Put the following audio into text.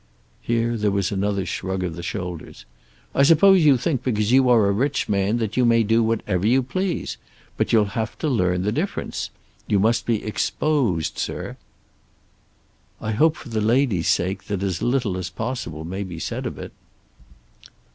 Here there was another shrug of the shoulders. "I suppose you think because you are a rich man that you may do whatever you please. But you'll have to learn the difference. You must be exposed, Sir." "I hope for the lady's sake that as little as possible may be said of it."